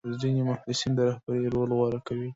ځینې محصلین د رهبرۍ رول غوره کوي.